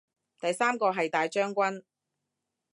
第三個係大將軍